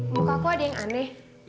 muka kok ada yang aneh